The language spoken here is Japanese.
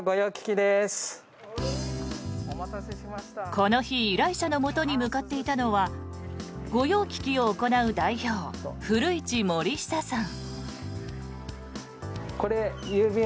この日、依頼者のもとに向かっていたのは御用聞きを行う代表古市盛久さん。